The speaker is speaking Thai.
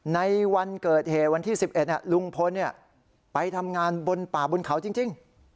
ในวันเกิดเหตุวันที่๑๑ลุงพลไปทำงานบนป่าบนเขาจริง